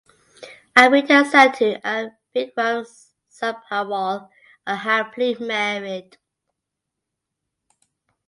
Amrita Sandhu and Vikram Sabharwal are happily married.